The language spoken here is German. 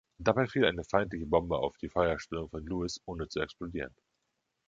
Dabei fiel eine feindliche Bombe auf die Feuerstellung von Lewis, ohne zu explodieren.